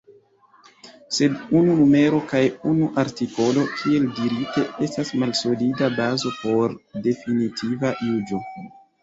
Sed unu numero kaj unu artikolo, kiel dirite, estas malsolida bazo por definitiva juĝo.